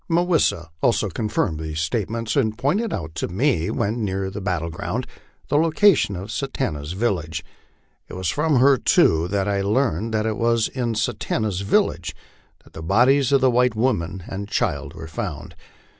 Mah wis sa also confirmed these statements, and pointed out to me, when near the battle ground, the location of Satanta's village. It was from her, too, that I learned that it was in Satanta's village that the bodies of the white woman and child were found.